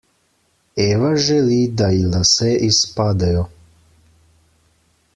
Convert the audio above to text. Eva želi, da ji lase izpadejo.